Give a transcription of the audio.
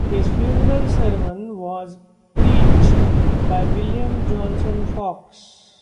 His funeral sermon was preached by William Johnson Fox.